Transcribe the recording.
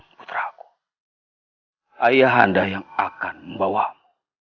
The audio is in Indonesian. putraku ayah anda yang akan membawamu